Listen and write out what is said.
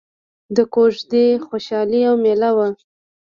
د کوژدې خوشحالي او ميله وه.